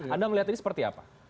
anda melihat ini seperti apa